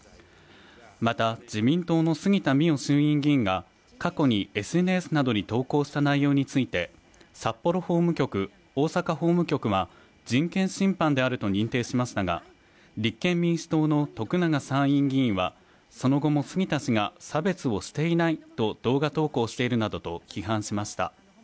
また自民党の杉田水脈衆院議員が過去にＳＮＳなどに投稿した内容について札幌法務局、大阪法務局は人権侵犯であると認定しましたが立憲民主党の徳永参院議員はその後も杉田氏が差別をしていないと動画投稿しているなどと批判しました